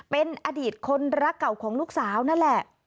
เป็นอดีตคนรักเก่าของลูกสาวนั่นแหละ